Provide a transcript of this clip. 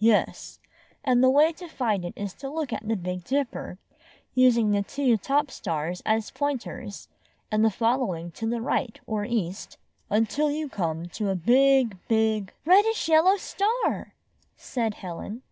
"Yes; and the way to find it is to look at the Big Dipper, using the two top stars as pointers, and following to the right or east, until you come to a big, big, —" "Reddish yellow star!" said Helen.